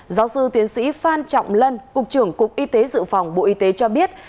giáo sư tiến sĩ phan trọng lân cục trưởng cục y tế dự phòng bộ y tế cho biết